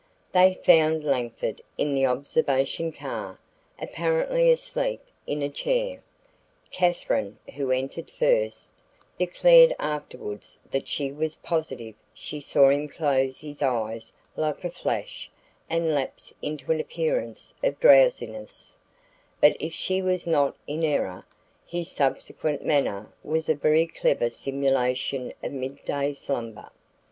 They found Langford in the observation car, apparently asleep in a chair. Katherine, who entered first, declared afterwards that she was positive she saw him close his eyes like a flash and lapse into an appearance of drowsiness, but if she was not in error, his subsequent manner was a very clever simulation of midday slumber.